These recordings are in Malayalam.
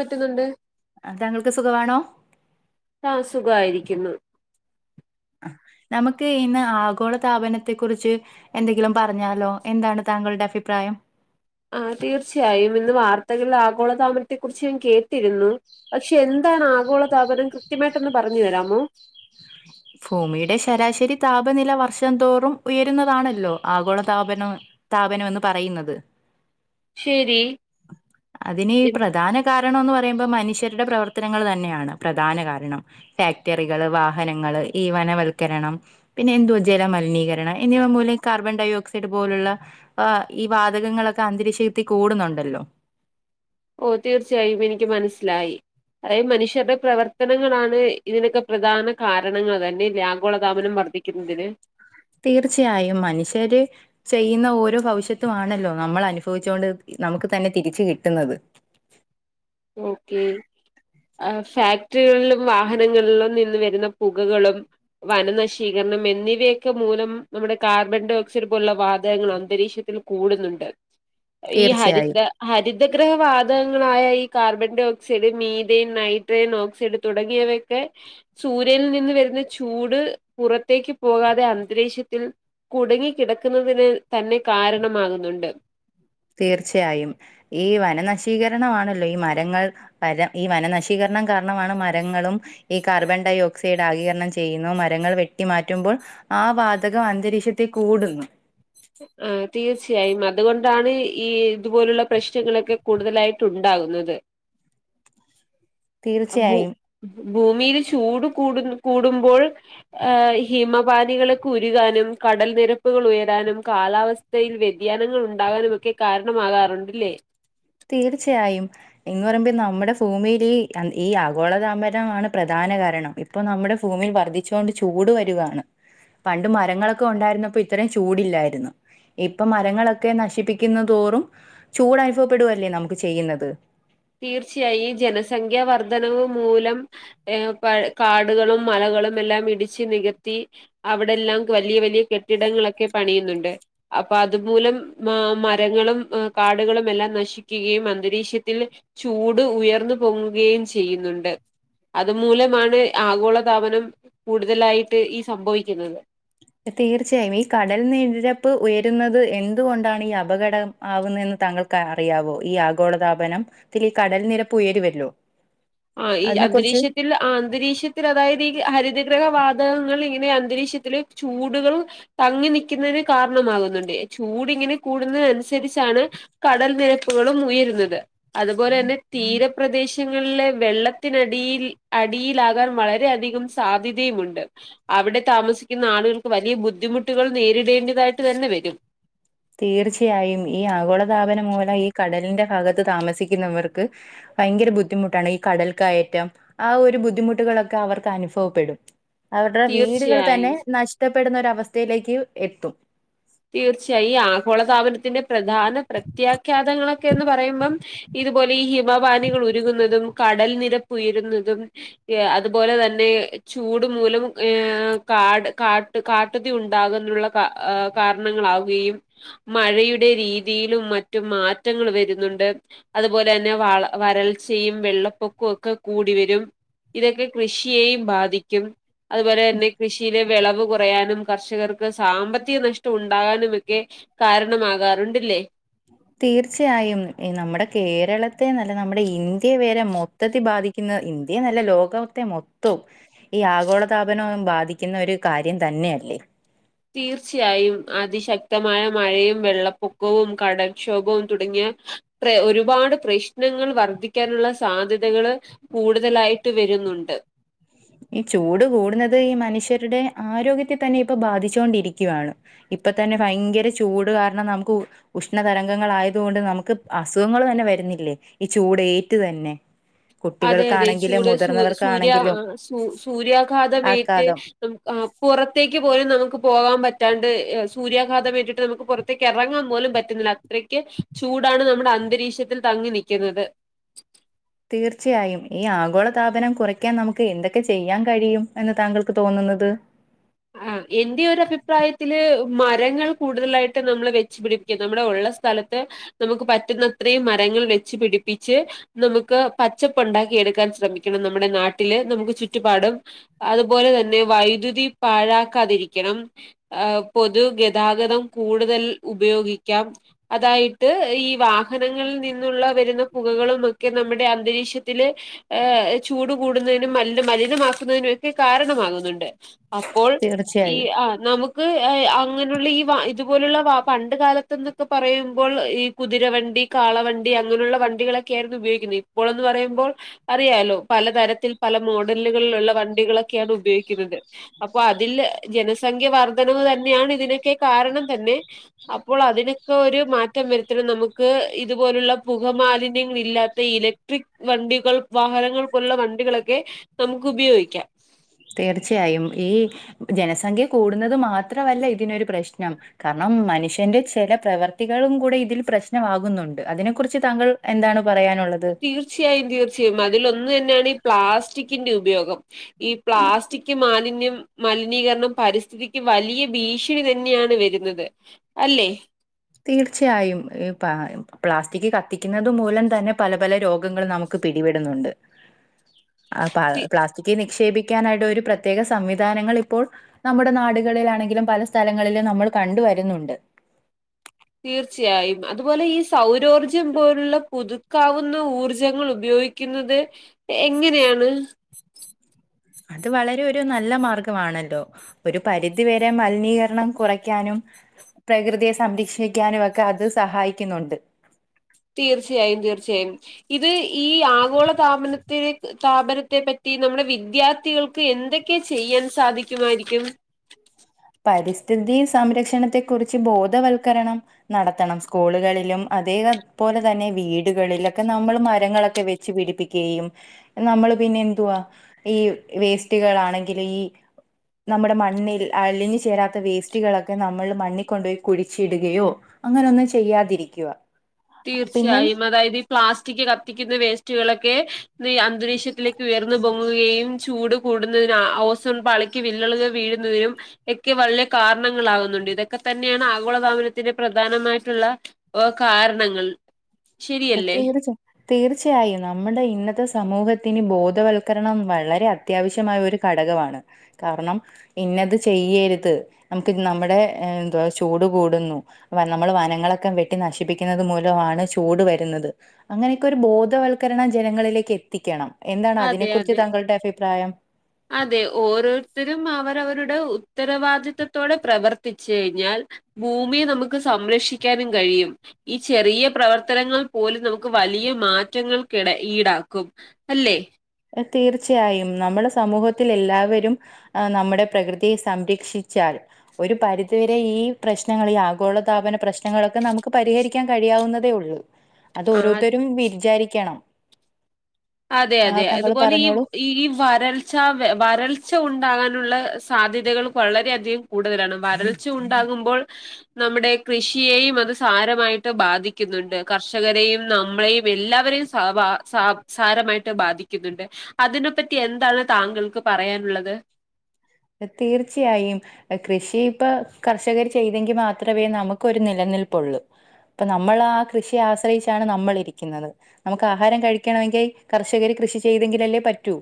പറ്റുന്നുണ്ട് ആഹ്് താങ്കൾക്ക് സുഖമാണോ ആഹ്, സുഖായിരിക്കുന്നു. നമുക്ക് ഇന്ന് ആഗോള താപനത്തെ കുറിച്ച്. എന്തെങ്കിലും പറഞ്ഞാലോ? എന്താണ് താങ്കളുടെ അഭിപ്രായം. ആഹ്, തീർച്ചയായും. ഇന്ന് വാർത്തകലിൽ ആഗോളതാമനത്തെ കുറിച്ച് ഞാൻ കേ രുന്നു. പക്ഷെ, എന്താണ് ആഗോളതാപനം കൃത്യമായിട്ട്ന്ന് പറഞ്ഞു തരാമോ? ഭൂമിയുടെ ശരാശരി താപനില വർഷം തോറും ഉയരുന്നതാണല്ലോ? ആഗോളതാപനം. താപനമന്ന് പറയുന്നത്. ശരി [inaudible] അതിന് പ്രധാന കാരണംന്ന് പറയുമ്പോൾ മനുഷ്യരുടെ പ്രവർത്തനങ്ങൾ തന്നെയാണ് പ്രധാന കാരണം. ഫാക്ടറികള്, വാഹനങ്ങള്, ഈ വനവൽക്കരണം. പിന്നെ, എന്തുവാ ജലമലിനീകരണം, എന്നിവ മൂലം കാർബൺ ഡയ ഓക്സൈഡ് പോലുള്ള. ആഹ് ഈ വാതകങ്ങളൊക്കെ അന്തരീക്ഷത്തി കൂടുന്നുണ്ടല്ലോ? ഓ തീർച്ചയായും എനിക്ക് മനസ്സിലായി. അതായ മനുഷ്യരുടെ പ്രവർത്തനങ്ങളാണ് ഇതിനൊക്കെ പ്രധാന കാരണങ്ങൾ തന്നെ ലഗോളതാമനം വർദ്ധിക്ക ക്കുന്നതിന്. തീർച്ചയായും മനുഷ്യര്ടെ ചെയ്യുന്ന ഓരോ ഭവിശ്യത്തും ആണല്ലോ? നമ്മൾ അനുഭവിച്ചുകൊണ്ട് നമുക്ക് തന്നെ തിരിച് കിട്ടുന്നത്. ഓക്കെ ആഹ്, ഫാക്ടറികളിലും, വാഹനങ്ങളിലും, നിന്ന് വരുന്ന പുകകളും. വനനശീകരണം എന്നിവയൊക്കെ മൂലം നമ്മുടെ കാർബൺ ഡയഓക്സൈഡ് പോലുള്ള വാതകങ്ങൾ അന്തരീക്ഷത്തിൽ- കൂടുന്നുണ്ട്. [inaudible] ഈ, തീർച്ചയായും ഹരിത ഹരിതഗ്രഹ വാതകങ്ങളായ ഈ... carbon dioxide. Methane nitrogen, oxide തുടങ്ങിയവയൊക്കെ സൂര്യനിൽ നിന്ന് വരുന്ന ചൂട് പുറത്തേക്ക് പോകാതെ അന്തരീക്ഷത്തിൽ. കുടുങ്ങി കിടക്കുന്നതിന് തന്നെ കാരണമാകുന്നുണ്ട്. തീർച്ചയായും ഈ വനനശീകരണമാണല്ലോ? ഈ മരങ്ങൾ വരം ഈ വനനശീകരണം കാരണമാണ് മരങ്ങളും. ഈ കാർബൺ ഡൈ ഓക്സൈഡ് ആകീകരണം ചെയ്യുന്നു. മരങ്ങൾ വെട്ടി മാറ്റുമ്പോൾ. ആ, വാതകം അന്തരീക്ഷത്തിൽ കൂടുന്നു. ആഹ്, തീർച്ചയായും. അതുകൊണ്ടാണ് ഈ, ഇതുപോലുള്ള പ്രശ്നങ്ങളൊക്കെ കൂടുതലായിട്ട്. ട്ടുണ്ടാകുന്നത്. [inaudible] ഭൂ, തീർച്ചയായും ഭൂമിയിൽ ചൂട് കൂട്, കൂടുമ്പോൾ. ഏഹ് ഹിമപാനികളൊക്കെ ഉരുകാനും കടൽ നിരപ്പുകൾ ഉയരാനും. കാലാവസ്ഥയിൽ വ്യതിയാനങ്ങൾ ഉണ്ടാകാനുമൊക്കെ, കാരണമാകാറുണ്ട്ല്ലേ? തീർച്ചയായും. എന്ന് പറയുമ്പോ, നമ്മുടെ ഭൂമിൽ ഈ ഈ ആഗോളതാംമ്പരംണ് പ്രധാന കാരണം. ഇപ്പൊ നമ്മുടെ ഭൂമിയിൽ വർദ്ധിച്ചു കൊണ്ട് ചൂട് വരിയാണ്. പണ്ട് മരങ്ങളൊക്കെ ഉണ്ടായിരുന്നപ്പോ, ഇത്രയും ചൂടില്ലായിരുന്നു. ഇപ്പൊ മരങ്ങളൊക്കെ നശിപ്പിക്കുംതോറും ചൂട് അനുഭവപ്പെടുകല്ലേ നമുക്ക് ചെയ്യുന്നത്. തീർച്ചയായും, ഈ ജനസംഖ്യ വർദ്ധനവ് മൂലം. ഏ പ കാടുകളും മലകളും എല്ലാം ഇടിച്ച് നികത്തി അവിടെല്ലാം വലിയ, വലിയ കെട്ടിടങ്ങളൊക്കെ പണിയുന്നുണ്ട്. അപ്പൊ അതുമൂലം ആ മരങ്ങളും കാടുകളും എല്ലാം നശി ക്കുകയും അന്തരീക്ഷത്തിൽ ചൂട് ഉയർന്നു പൊങ്ങുകയും ചെയ്യുന്നുണ്ട് അതുമൂലമാണ് ആഗോളതാപനം കൂടുതലായിട്ട് ഈ സംഭവിക്കുന്നത് തീർച്ചയായും ഈ കടൽ നിരപ്പ് ഉയരുന്നത് എന്തുകൊണ്ടാണ് ഈ അപകടം ആവുന്നതെന്ന് താങ്കൾക്ക് അറിയാമോ ഈ ആഗോളതാപനം കടൽ നിരപ്പ് ഉയരുവല്ലോ ആഹ് ഈ അതിനെക്കുറിച്ച് അന്തരിക്ഷ അന്തരീക്ഷത്തിൽ അതായത് ഈ ഹരിതഗ്രഹ വാതകങ്ങൾ ഇങ്ങനെ അന്തരീക്ഷത്തില്ൽ ചൂടുകളും തങ്ങി നിക്കുന്നതിന് കാരണമാകുന്നുണ്ട് ചൂടിങ്ങനെ കൂടുന്ന അനുസരിച്ചാണ് കടൽ നിരപ്പുകളും ഉയരുന്നത് അതുപോലെ തന്നെ തീരപ്രദേശങ്ങളിലെ വെള്ളത്തിനടിൽ അടിയിലാകാൻ വളരെയധികം സാധ്യതയുമുണ്ട് അവിടെ താമസിക്കുന്ന ആളുകൾക്ക് വലിയ ബുദ്ധിമുട്ടുകൾ നേരിടേണ്ടതായിട്ട് തന്നെ വരും തീർച്ചയായും ഈ ആഗോളതാപനം മൂലം ഈ കടലിന്റെ ഭാഗത്ത് താമസിക്കുന്നവർക്ക് ഭയങ്കര ബുദ്ധിമുട്ടാണ് ഈ കടൽ കയറ്റം ആ ഒരു ബുദ്ധിമുട്ടുകളൊക്കെ അവർക്ക് അനുഭവപ്പെടും അവരുടെ വീടുകൾ തീർച്ചയായും തന്നെ നഷ്ടപ്പെടുന്ന ഒരവസ്ഥയിലേക്ക് എത്തും തീർച്ചയായും ഈ ആഗോളതാപനത്തിന്റെ പ്രധാന പ്രത്യാഖ്യാതങ്ങളൊക്കെ എന്ന് പറയുമ്പം ഇതുപോലെ ഈ ഹിമപാനികൾ ഉരുകുന്നതും കടൽ നിരപ്പ് ഉയരുന്നതും അതുപോലെ തന്നെ ചൂട് മൂലം ഏഹ് കാട് കാ ട്ടു കാട്ടുതി ഉണ്ടാകുന്നുുള്ള കാ കാരണങ്ങളാവുകയും മഴയുടെ രീതിയിലും മറ്റു മാറ്റങ്ങൾ വരുന്നുണ്ട് അതുപോലെ തന്നെ വള വരൾച്ചയും വെള്ളപ്പൊക്കവും ഒക്കെ കൂടി വരും ഇതൊക്കെ കൃഷിയെയും ബാധിക്കും അതുപോലെ തന്നെ കൃഷിയിലെ വിളവ് കുറയാനും കർഷകർക്ക് സാമ്പത്തിക നഷ്ട ട്ടം ഉണ്ടാകാനുമൊക്കെ കാരണമാകാറുണ്ടില്ലേ തീർച്ചയായും എ നമ്മുടെ കേരളത്തെ നല്ല നമ്മുടെ ഇന്ത്യ വരെ മൊ ത്തത്തി ബാധിക്കുന്ന ഇന്ത്യന്നല്ല ലോകത്തെ മൊത്തവും ഈ ആഗോളതാപനം ബാധിക്കുന്ന ഒരു കാര്യം തന്നെയ അല്ലേ തീർച്ചയായും അതിശക്തമായ മഴയും വെള്ളപ്പൊക്കവും കടൽക്ഷോഭവും തുടങ്ങിയ പ്ര ഒരുപാട് പ്രശ്നങ്ങൾ വർദ്ധിക്കാനുള്ള സാധ്യതകള് കൂടുതലായിട്ട് വരുന്നുണ്ട് ഈ ചൂട് കൂടുന്നത് ഈ മനുഷ്യരുടെ ആരോഗ്യത്തെ തന്നെ ഇപ്പൊ ബാധിചോണ്ടിരിക്കുവാണ് ഇപ്പതന്നെ ഭയങ്കര ചൂട് കാരണം നമുക്ക് ഉ ഉഷ്ണതരംഗങ്ങളായത് കൊണ്ട് നമുക്ക് അസുഖങ്ങൾ തന്നെ വരുന്നില്ലേ ഈ ചൂടേറ്റ് തന്നെ അതെ അതെ കുട്ടികൾക്കാണെങ്കിലും ചൂട് സൂ സൂര്യാ മുതിർന്നവർക്കാണെങ്കിലും സൂ സൂര്യാഘാതമേറ്റ് ആഘാതം. നമു ആ പുറത്തേക്ക് പോലും നമുക്ക് പോകാൻ പറ്റാണ്ട് സൂര്യാഘാതം ഏറ്റിട്ട് നമുക്ക് പൊറ റ്റതേക്ക് എറങ്ങാൻ പോലും പറ്റുന്നില്ല അത്രയ്ക്ക് ചൂടാണ് നമ്മുടെ അന്തരീക്ഷത്തിൽ തങ്ങി നിക്യുന്നത് തീർച്ചയായും ഈ ആഗോള താപനം കുറയ്ക്കാൻ നമുക്ക് എന്തൊക്കെ ചെയ്യാൻ കഴിയും എന്ന് താങ്കൾക്ക് തോന്നുന്നത് ആഹ് എന്റെ ഒരഭിപ്രായത്തില് മരങ്ങൾ കൂടുതലായിട്ട് നമ്മള് വെച്ചു പിടി നമ്മുടെ ഉള്ള സ്ഥലത്ത് നമുക്ക് പറ്റുന്നത്രയും മരങ്ങൾ വെച്ച് പിടിപ്പിച്ച് നമുക്ക് പച്ചപ്പുണ്ടാക്കി എടുക്കാൻ ശ്രമിക്കണം നമ്മുടെ നാട്ടില് നമുക്ക് ചുറ്റുപാടും അതുപോലെ തന്നെ വൈദ്യുതി പാഴാക്കാതിരിക്കണം ആ പൊതു ഗതാഗതം കൂടുതൽ ഉപയോഗിക്കാം അതായിട്ട് ഈ വാഹനങ്ങളിൽ നിന്നുള്ള വരുന്ന പുകകളും ഒക്കെ നമ്മുടെ അന്തരീക്ഷത്തില് ഏ ചൂട് കൂടുന്നതിനും മലിന മലിനമാക്കുന്നതിനൊക്കെ കാരണമാകുന്നുണ്ട് അപ്പോൾ ഈ തീർച്ചയായും. ആഹ് നമു ക്ക് ഏയ് അങ്ങനെഉള്ള ഈ വാ ഇതുപോലുള്ള വാ പണ്ട് കാലത്ത്ന്നൊക്കെ പറയുമ്പോൾ ഈ കുതിരവണ്ടി കാളവണ്ടി അങ്ങനുള്ള വണ്ടികളൊക്കെയായിരുന്നു ഉപയോഗിക്കുന്നെ ഇപ്പോളൊന്ന് പറയുമ്പോൾ അറിയാലോ പലതരത്തിൽ പല മോഡലുകളിലുള്ള വണ്ടികളൊക്കെയാണ് ഉപയോഗിക്കുന്നത് അപ്പൊ അതില് ജനസംഖ്യ വർധനവ് തന്നെയാണ് ഇതിനൊക്കെ കാരണം തന്നെ അപ്പോൾ അതിനൊക്കെ ഒരു മാറ്റം വരുത്തണം നമുക്ക് ഇതുപോലുള്ള പുക മാലിന്യങ്ങളില്ലാ ത്ത ഇലക്ട്രിക് വണ്ടികൾ വാഹനങ്ങൾക്കുള്ള വണ്ടികളൊക്കെ നമുക്ക് ഉപയോഗിക്കാം തീർച്ചയായും ഈ ജനസംഖ്യ കൂടുന്നത് മാത്രമല്ല ഇതിനൊരു പ്രശ്നം കാരണം മനുഷ്യന്റെ ചെല പ്രവർത്തികളും കൂടെ ഇതിൽ പ്രശ്നമാകുന്നുണ്ട് അതിനെ കുറിച്ച് താങ്കൾ എന്താണ് പറയാനുള്ളത് തീർച്ചയായും തീർച്ചയായും അതിലൊന്നു തന്നെയാണ് ഈ പ്ലാസ്റ്റിക്കിന്റെ ഉപയോഗം ഈ പ്ലാസ്റ്റിക് മാലിന്യം മലിനീകരണം പരിസ്ഥിതിക്ക് വലിയ ഭീഷണി തന്നെയാണ് വരുന്നത് അല്ലേ തീർച്ചയായും ഈ പാ പ്ലാസ്റ്റിക് കത്തിക്കുന്നുന്നത് മൂലം തന്നെ പല പല രോഗങ്ങൾ നമു ക്ക് പിടിപെടുന്നുണ്ട് ആ തി പ്ലാസ്റ്റിക്ക നിക്ഷേപി ക്കാനായിട്ട ഒരു പ്രത്യേക സംവിധാനങ്ങളിപ്പോൾ നമ്മുടെ നാടുകളിലാണെങ്കിലും പല സ്ഥലങ്ങളിലും നമ്മൾ കണ്ട വരുന്നുണ്ട് തീർച്ചയായും അതുപോലെ ഈ സൗരോർജം പോലുള്ള പുതുക്കാവുന്ന ഊർജ്ജങ്ങൾ ഉപയോഗിക്ക ക്കുന്നത് എങ്ങനെയാണ് അത് വളരെ ഒരു നല്ല മാർഗമാണല്ലോ ഒരു പരിധിവരെ മലിനീകരണം കുറയ്ക്കാനും പ്രകൃതിയെ സംരക്ഷിക്കാനും ഒക്കെ അത് സഹായിക്കുന്നുണ്ട് തീർച്ചയായും തീർച്ചയായും ഇത് ഈ ആഗോള താപനത്തില സ്ഥാപനത്തെ പറ്റി നമ്മുടെ വിദ്യാർത്ഥികൾക്ക് എന്തൊക്കെയെ ചെയ്യാൻ സാധിക്കുമായിരിക്കും പരിസ്ഥിതി സംരക്ഷണത്തെ കുറിച്ച് ബോധവൽക്കരണം നടത്തണം സ്കൂളുകളിലും അതേപോലെ തന്നെ വീടുകളിലൊക്കെ നമ്മൾ മരങ്ങളൊക്കെ വെച്ച് പിടിപ്പിക്കണം ക്കെയും നമ്മള് പിന്നെ എന്തുവാ ഈ വേസ്റ്റുകൾാണെങ്കിൽ ഈ നമ്മുടെ മണ്ണിൽ അലിഞ്ഞു ചേരാത്ത വേസ്റ്റുകളൊക്കെ നമ്മൾ മണ്ണിൽക്കൊണ്ടു പോയി കുഴിച്ചിടുകയോ അങ്ങനെ ഒന്നും ചെയ്യാതിരിക്കുക പിന്നെ തീർച്ചയായും അതായത് ഈ പ്ലാസ്റ്റിക് കത്തിക്കുന്ന വേസ്റ്റുകളൊക്കെ ഈഅന്തരീക്ഷത്തിലേക്ക് ഉയർന്നു പൊങ്ങുകയും ചൂട് കൂടുന്നതിന് ഓസോൺ പാളി- ക്ക് വില്ലളുകൾ വീഴുന്നതിനും ഒക്കെ വലിയ കാരണങ്ങളാകുന്നുണ്ട്. ഇതൊക്കെ തന്നെയാണ് ആഗോളതാപനത്തിന്റെ പ്രധാനമായിട്ടുള്ള ഓ കാരണങ്ങൾ ശരിയല്ലേ പ്രത്യേകിച്ച് തീർച്ചയായും നമ്മുടെ ഇന്നത്തെ സമൂഹത്തിന് ബോധവൽക്കരണം വളരെ അത്യാവശ്യമായ ഒരു ഘടകമാണ് കാരണം ഇന്നത് ചെയ്യരുത് നമുക്ക് നമ്മുടെ എന്തുവാ ചൂട് കൂടുന്നു നമ്മള് വനങ്ങളൊക്കെ വെട്ടി നശിപ്പിക്കുന്നത് മൂലമാണ് ചൂട് വരു- ന്നത് അങ്ങനെയൊക്കെ ഒരു ബോധവൽക്കരണം ജനങ്ങളിലേക്ക് എത്തിക്കണം എന്താണ് അതിനെ അതെ കുറിച്ച് അതെ താങ്കളുടെ അഭിപ്രായം അതെ ഓരോരുത്തരും അവരവരുടെ ഉത്തരവാദിത്തത്തോടെ പ്രവർത്തിച്ചു കഴിഞ്ഞാൽ ഭൂമിയെ നമുക്ക് സംരക്ഷിക്കാനും കഴിയും ഈ ചെറിയ പ്രവർത്തനങ്ങൾ പോലും നമുക്ക് വലിയ മാറ്റങ്ങൾക്കിട ഈട ആക്കും അല്ലേ തീർച്ചയായും. നമ്മുടെ സമൂഹത്തിൽ എല്ലാവരും ആഹ നമ്മുടെ പ്രകൃതിയെ സംരക്ഷിച്ചാൽ ഒരു പരിധിവരെ ഈ പ്രശ്നങ്ങൾ, ഈ ആഗോളതാപന പ്രശ്നങ്ങളൊക്കെ നമുക്ക് പരിഹരിക്കാൻ കഴിയാവുന്നതേ ഉള്ളൂ അത് ആ ഓരോരുത്തരും വിചാരിക്കണം അതെ അതെ ആഹ് താങ്കൾ അതുപോലെ ഈ പറഞ്ഞോളൂ ഈ വരൽ വരൾച്ച ഉണ്ടാകാനുള്ള സാധ്യതകൾ വളരെയധികം കൂടുതലാണ്. വരൾച്ച ഉണ്ടാകുമ്പോൾ നമ്മുടെ കൃഷിയേയും അത് സാരമായിട്ട് ബാധിക്കുന്നുണ്ട്. കർഷകരെയും നമ്മളെയും എല്ലാവരെയും സാബ സാ സാരമായിട്ട് ബാധിക്കുന്നുണ്ട്. അതിനെപ്പറ്റി എന്താണ് താങ്കൾക്ക് പറയാനുള്ളത് തീർച്ചയായും കൃഷി ഇപ്പം കർഷകർ ചെയ്തെങ്കിൽ മാത്രമേ നമുക്ക് ഒരു നിലനിൽപ്പുള്ളൂ. അപ്പം നമ്മൾ ആഹ കൃഷിയെ ആശ്രയിച്ചാണ് നമ്മളിരിക്കുന്നത് നമുക്ക് ആഹാരം കഴിക്കണമെങ്കിൽ കർഷകര് കൃഷി ചെയ്തെങ്കിലല്ലേ പറ്റൂ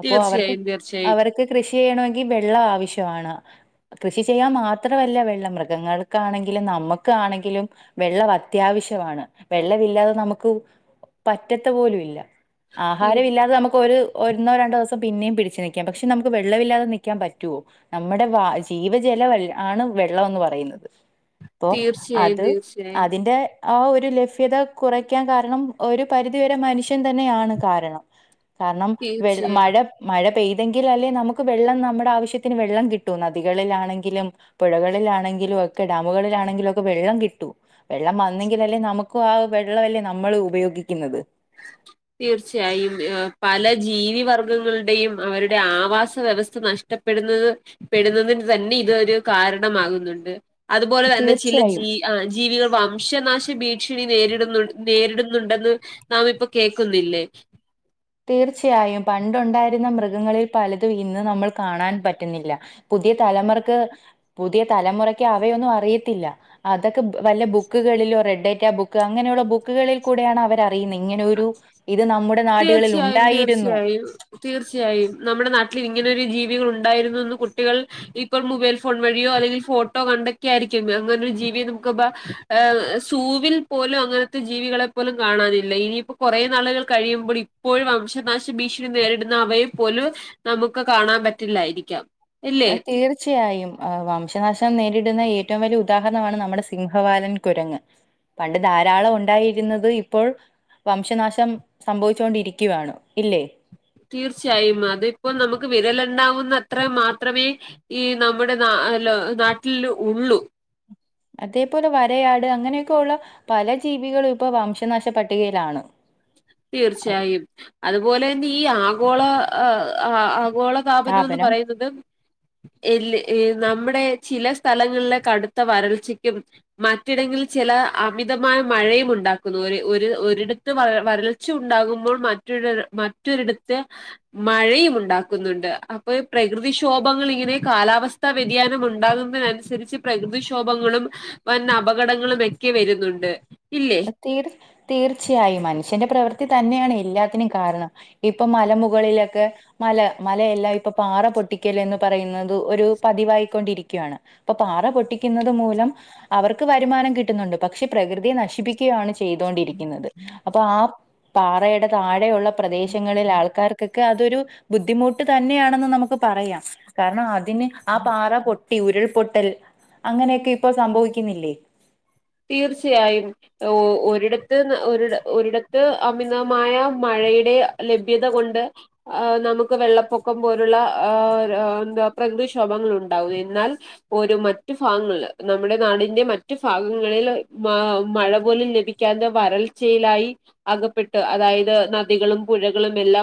അപ്പൊ അവർക്ക്, തീർച്ചയായും തീർച്ചയായും അവർക്ക് കൃഷി ചെയ്യണമെങ്കിൽ വെള്ളം ആവശ്യമാണ് കൃഷി ചെയ്യാൻ മാത്രമല്ല വെള്ളം. മൃഗങ്ങൾക്കാണെങ്കിലും നമ്മുക്കാണെങ്കിലും വെള്ളം അത്യാവശ്യമാണ്. വെള്ളമില്ലാതെ നമുക്ക് പറ്റത്ത് പോലും ഇല്ല. തീർ ആഹാരമില്ലാതെ നമുക്ക് ഒരു, ഒന്നോ, രണ്ടോ ദിവസം പിന്നെയും പിടിച്ച് നൽക്കാം. പക്ഷെ നമുക്ക് വെള്ളമില്ലാതെ ന നിൽക്കാൻ പറ്റുവോ. നമ്മുടെ വ ജീവജല ആണ് വെള്ളം എന്ന് പറയുന്നത്. അപ്പോ തീർച്ചയായും അത്, തീർച്ചയായും അതിന്റെ ആഹ ഒരു ലഭ്യത കുറയ്ക്കാൻ കാരണം ഒരു പരിധിവരെ മനുഷ്യൻ തന്നെയാണ് കാരണം. കാരണം വെ തീർച്ചയായും മഴ, മഴ പെയ്തെങ്കിൽ അല്ലെ നമുക്ക് വെള്ളം നമു നമ്മുടെ ആവശ്യത്തിന് വെള്ളം കിട്ടൂ, നദികളിലാണെങ്കിലും. പുഴകളിലാണെങ്കിലും ഒക്കെ, ഡാമുകളിലാണെങ്കിലും ഒക്കെ വെള്ളം കിട്ടൂ. വെള്ളം വന്നെങ്കിൽ അല്ലേ, നമുക്കും ആഹ വെള്ളമല്ലേ നമ്മൾ ഉപയോഗിക്കുന്നത്. തീർച്ചയായും പല ജീവി വർഗങ്ങളുടെയും അവരുടെ ആവാസ വ്യവസ്ഥ നഷ്ട പ്പെടുന്നത്, പെടുന്നതിന് തന്നെ ഇതൊരു കാരണമാകുന്നുണ്ട് അതുപോലെ തന്നെ ചില തീർച്ചയായും ജീ ആഹ, ജീവികൾ വംശനാശ ഭീഷണി നേരിടുന്നു, നേരിടുന്നുണ്ടെന്ന് നാം ഇപ്പൊ കേൾക്കുന്നില്ലേ. തീർച്ചയായും പണ്ട് ഉണ്ടായിരുന്ന മൃഗങ്ങളിൽ പലതും ഇന്ന് നമ്മൾ കാണാൻ പറ്റുന്നില്ല. പുതിയ തലമുറക്ക്, പുതിയ തലമുറയ്ക്ക് അവയൊന്നും അറിയത്തില്ല. അതൊക്കെ ബു വല്ല ബുക്കുകളിലോ റെഡ്ഡേക്ക ബുക്ക് അങ്ങനെയുള്ള ബുക്കുകളിൽ കൂടെയാണ് അവർ അറി അറിയുന്നേ ഇങ്ങനെ ഒരു ഇത് നമ്മുടെ നാട് തീർച്ചയായും തീർച്ചയായും [unintelligible] തീർച്ചയായും നമ്മുടെ നാട്ടിൽ ഇങ്ങനൊരു ജീവികൾ ഉണ്ടായിരുന്നു എന്ന് കുട്ടികൾ ഇപ്പോൾ മൊബൈൽ ഫോൺ വഴിയോ അല്ലെങ്കിൽ ഫോട്ടോ കണ്ടൊക്കെ ആയിരിക്കും അങ്ങനൊരു ജീവിയെ നമുക്കിപ്പോ ഏഹ് സൂവിൽ പോലും അങ്ങനത്തെ ജീവികളെ പോലും കാണാനില്ല ഇനി പ്പോ കുറേ നാളുകൾ കഴിയുമ്പോൾ ഇപ്പോഴും വംശനാശ ഭീഷണി നേരിടുന്ന അവയെ പോലും നമുക്ക് കാണാൻ പറ്റില്ലായിരിക്കാം ഇല്ലേ ആഹ തീർ ച്ചയായും ആഹ് വംശനാശം നേരിടുന്ന ഏറ്റവും വലിയ ഉദാഹരണമാണ് നമ്മുടെ സിംഹവാലൻ കുരങ്ങ് പണ്ട് ധാരാളം ഉണ്ടായിരുന്നത് ഇപ്പോൾ വംശനാശം സംഭവിച്ചുകൊണ്ടിരിക്കുവാണ് ഇല്ലേ തീർച്ചയായും അതിപ്പോ നമുക്ക് വിരൽ എണ്ണാവുന്നത്ര മാത്രമേ ഈ നമ്മുടെ ന ലോ നാട്ടില് ഉള്ളൂ അതേപോലെ വരയാട് അങ്ങനെയൊക്കെ ഉള്ള പല ജീവികളും ഇപ്പോ വംശനാശ പട്ടികയിലാണ് അഹ് തീർച്ചയായും അതുപോലെ തന്നെ ഈ ആഗോള ആഹ് ആഗോള താപനം എന്ന് സ്ഥാപനം പറയുന്നത് എല്ല് ഏഹ് നമ്മുടെ ചില സ്ഥലങ്ങളിലെ കടുത്ത വരൾച്ചയ്ക്കും മറ്റിടങ്ങളിൽ ചെല അമിതമായ മഴയും ഉണ്ടാക്കുന്നു ഒര് ഒരു ഒരിടത്ത് വര വരൾ ച്ച ഉണ്ടാകുമ്പോൾ മറ്റൊരര് മറ്റൊരിടത്ത് മഴയും ഉണ്ടാക്കുന്നുണ്ട് അപ്പൊ ഈ പ്രകൃതിക്ഷോഭങ്ങൾ ഇങ്ങനെ കാലാവസ് സ്ഥ വ്യതിയാനം ഉണ്ടാകുന്നതിനനുസരിച്ച് പ്രകൃതിക്ഷോഭങ്ങളും വന്ന് അപകടങ്ങളും വക്കെ വരുന്നുണ്ട് ഇല്ലേ തീർ തീർച്ചയായും മനുഷ്യന്റെ പ്രവൃത്തി തന്നെയാണ് എല്ലാത്തിനും കാരണം ഇപ്പം മലമുകളിലൊക്കെ മല മലയെല്ലാം ഇപ്പൊ പാറ പൊട്ടിക്കല്ലെന്ന് പറയുന്നത് ഒരു പതിവായിക്കൊണ്ടിരിക്കുവാണ് ഇപ്പം പാറ പൊട്ടിക്കുന്നത് മൂലം അവർക്ക് വരുമാനം കിട്ടുന്നുണ്ട് പക്ഷെ പ്രകൃതിയെ നശി പ്പിക്കുവാണ് ചെയ്തൊണ്ടിരിക്കുന്നത് അപ്പൊ ആ പാറയുടെ താഴെയുള്ള പ്രദേശങ്ങളിൽ ആൾക്കാർക്കൊക്കെ അതൊരു ബുദ്ധിമുട്ട് തന്നെയാണെന്ന് നമുക്ക് പറയാം കാരണം അതിന് ആ പാറ പൊട്ടി ഉരുൾപൊട്ടൽ അങ്ങനെയൊക്കെ ഇപ്പൊ സംഭവിക്കുന്നില്ലേ തീർച്ചയായും ഒ ഒരിടത്ത് ന ഒരിട ഒരിടത്ത് അമിതമായ മഴയുടെ ലഭ്യത കൊണ്ട് ആഹ് നമുക്ക് വെള്ളപ്പൊക്കം പോലുള്ള ആ എന്താ പ്രകൃതിക്ഷോഭങ്ങൾ ഉണ്ടാവുന്നു എന്നാൽ ഒരു മറ്റു ഫാഗങ്ങളില് നമ്മുടെ നാടിന്റെ മറ്റു ഫാഗങ്ങ ങ്ങളില് മ മഴ പോലും ലഭിക്കാതെ വരൾച്ചയിലായി അകപ്പെട്ട് അതായത് നദികളും പുഴകളുമെല്ലാം